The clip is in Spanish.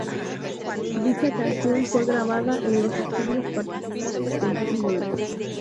Dicha canción fue grabada en los estudios particulares del ídolo.